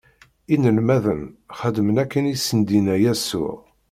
Inelmaden xedmen akken i sen-d-inna Yasuɛ.